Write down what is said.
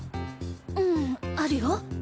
うんあるよ。